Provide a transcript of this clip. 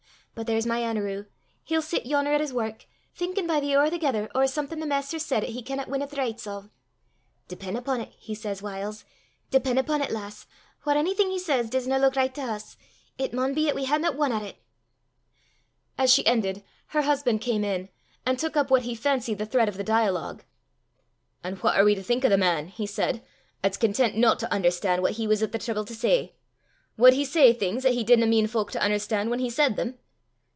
But there's my Anerew he'll sit yon'er at his wark, thinkin' by the hoor thegither ower something the Maister said 'at he canna win at the richts o'. 'Depen' upo' 't,' he says whiles, 'depen' upo' 't, lass, whaur onything he says disna luik richt to hiz, it maun be 'at we haena won at it!'" As she ended, her husband came in, and took up what he fancied the thread of the dialogue. "An' what are we to think o' the man," he said, "at's content no to un'erstan' what he was at the trible to say? Wad he say things 'at he didna mean fowk to un'erstan' whan he said them?"